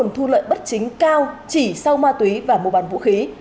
tội phạm có nguồn thu lợi bất chính cao chỉ sau ma túy và mua bán vũ khí